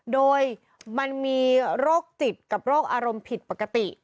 โดยมันมีโรคจิตกับโรคอารมณ์ผิดปกติ